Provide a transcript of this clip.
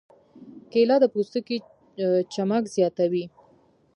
کېله د پوستکي چمک زیاتوي.